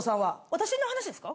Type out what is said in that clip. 私の話ですか？